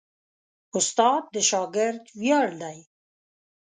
استاد د شاګرد ویاړ دی.